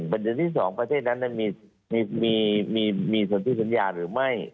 ประเด็นที่๒ประเทศนั้นมีสัญญาณหรือไม่